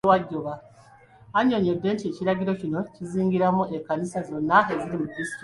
Annyonnyodde nti ekiragiro kino kizingiramu ekkanisa zonna eziri mu Disitulikiti.